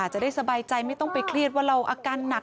จะได้สบายใจไม่ต้องไปเครียดว่าเราอาการหนัก